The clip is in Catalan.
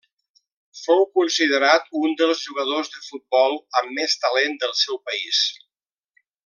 Fou considerat un dels jugadors de futbol amb més talent del seu país.